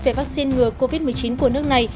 về vaccine ngừa covid một mươi chín của nước này